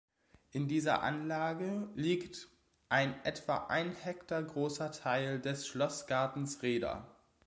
In dieser Anlage liegt ein etwa ein Hektar großer Teil des Schlossgartens Rheda.